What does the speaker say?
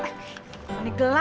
wah bisa berhenti nih gue